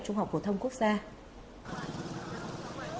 trung học phổ thông quốc gia